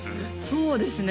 そうですね